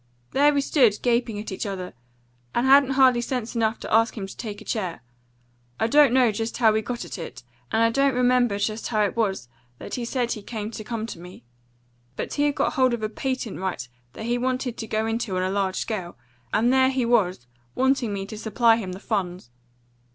There we stood, gaping at each other, and I hadn't hardly sense enough to ask him to take a chair. I don't know just how we got at it. And I don't remember just how it was that he said he came to come to me. But he had got hold of a patent right that he wanted to go into on a large scale, and there he was wanting me to supply him the funds."